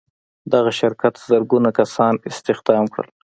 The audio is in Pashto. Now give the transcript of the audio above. دغه شرکت زرګونه کسان استخدام کړل.